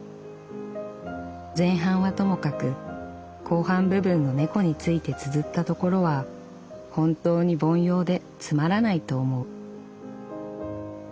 前半はともかく後半部分の猫について綴ったところは本当に凡庸でつまらないと思う」。